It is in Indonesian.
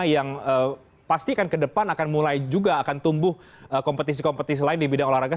yang pastikan ke depan akan mulai juga akan tumbuh kompetisi kompetisi lain di bidang olahraga